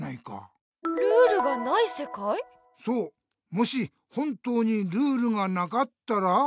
もし本当にルールがなかったら。